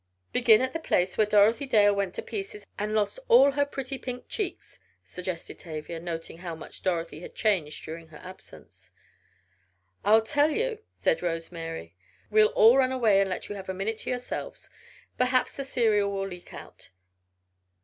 "Begin at the place where Dorothy Dale went to pieces, and lost all her pretty pink cheeks," suggested Tavia, noting how much Dorothy had changed during her absence. "I'll tell you," said Rose Mary. "We'll all run away and let you have a minute to yourselves. Perhaps the serial will leak out."